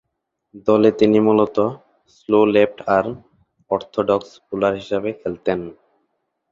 দলে তিনি মূলতঃ slow left arm orthodox bowler হিসেবে খেলতেন।